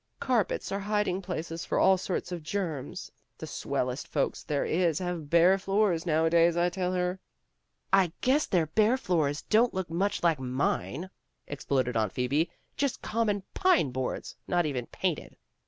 ''Carpets are hiding places for all sorts of germs. The swellest folks there is have bare floors nowadays, I tell her." ''I guess their bare floors don't look much like mine," exploded Aunt Phoebe, "just com mon pine boards, not even painted."